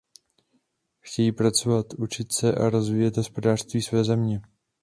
Chtějí pracovat, učit se a rozvíjet hospodářství své země.